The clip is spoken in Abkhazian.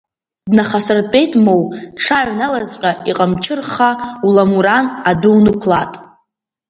Днахасыртәеит моу, дшааҩналазҵәҟьа, иҟамчы рхха уламуран адәы унықәлаат!